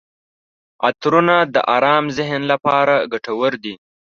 عطرونه د ارام ذهن لپاره ګټور دي.